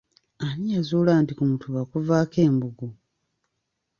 Ani eyazuula nti ku mutuba kuvaako embugo?